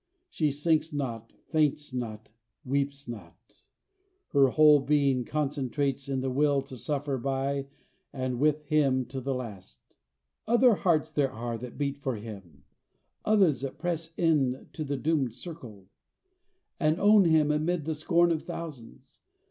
She sinks not, faints not, weeps not; her whole being concentrates in the will to suffer by and with him to the last. Other hearts there are that beat for him; others that press into the doomed circle, and own him amid the scorn of thousands.